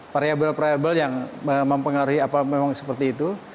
variable variable yang mempengaruhi apa memang seperti itu